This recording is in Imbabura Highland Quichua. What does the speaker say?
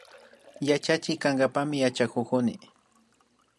Yachachik kankapakmi yachakukuni